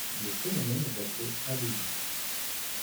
Le phénomène est appelé adhésion.